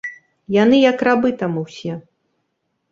Яны як рабы там усё.